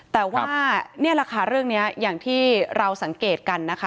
แต่ว่านี่แหละค่ะเรื่องนี้อย่างที่เราสังเกตกันนะคะ